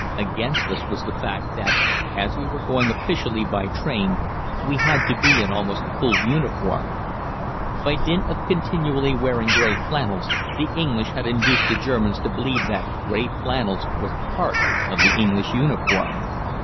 Against us was the fact that, as we were going officially by train, we had to be in almost full uniform. By dint of continually wearing grey flannels, the English had induced the Germans to believe that gray flannels was part of the English uniform.